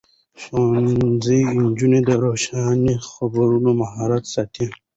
ښوونځی نجونې د روښانه خبرو مهارت ساتي.